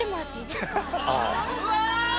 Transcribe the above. うわ！